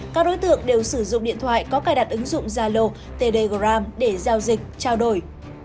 các đối tượng đều sử dụng điện thoại có cài đặt ứng dụng gia lộ tdgram để giao dịch trao đổi